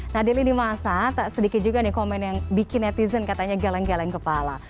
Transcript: nah di lini masa sedikit juga nih komen yang bikin netizen katanya geleng geleng kepala